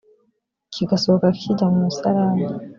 kigasohoka kijya mu musarani